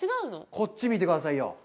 こっち、見てくださいよ。